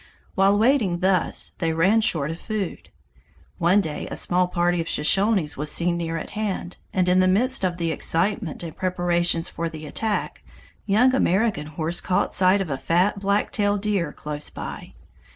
While waiting thus, they ran short of food. One day a small party of Shoshones was seen near at hand, and in the midst of the excitement and preparations for the attack, young American Horse caught sight of a fat black tail deer close by.